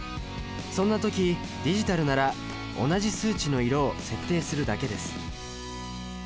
そんな時ディジタルなら同じ数値の色を設定するだけです。